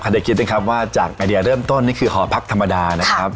เด็กคิดนะครับว่าจากไอเดียเริ่มต้นนี่คือหอพักธรรมดานะครับ